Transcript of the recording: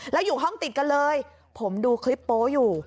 แล้วอยู่ห้องติดกันเลยผมดูคลิปโป๊อยู่